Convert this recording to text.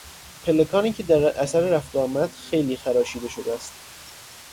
پلکانی که در اثر رفت و آمد خیلی خراشیده شده است